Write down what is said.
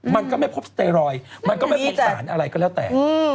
มันก็ไม่พบสเตรอยมันก็ไม่พบสารอะไรก็แล้วแต่